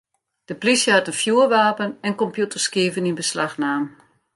De plysje hat in fjoerwapen en kompjûterskiven yn beslach naam.